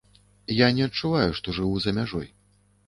Я не адчуваю, што жыву за мяжой.